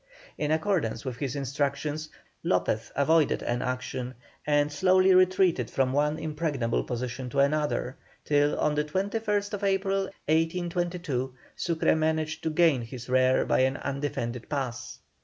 In accordance with his instructions, Lopez avoided an action, and slowly retreated from one impregnable position to another, till on the 21st April, 1822, Sucre managed to gain his rear by an undefended pass.